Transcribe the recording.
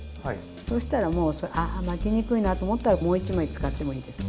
そうしたらもう巻きにくいなと思ったらもう一枚使ってもいいです。